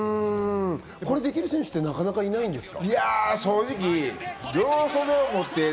これできる選手はなかなかいないんですか？